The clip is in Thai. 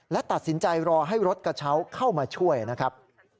และตัดสินใจรอให้รถกระเช้าเข้ามาช่วยนะครับ